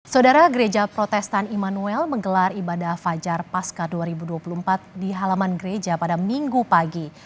saudara gereja protestan immanuel menggelar ibadah fajar pasca dua ribu dua puluh empat di halaman gereja pada minggu pagi